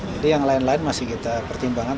jadi yang lain lain masih kita pertimbangkan